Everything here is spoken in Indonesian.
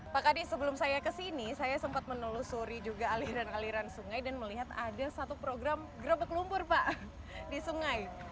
pak kadi sebelum saya kesini saya sempat menelusuri juga aliran aliran sungai dan melihat ada satu program gerebek lumpur pak di sungai